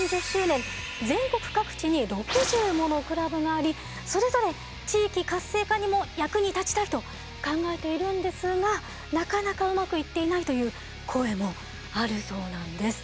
全国各地に６０ものクラブがありそれぞれ地域活性化にも役に立ちたいと考えているんですがなかなかうまくいっていないという声もあるそうなんです。